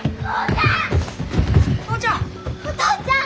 父ちゃん！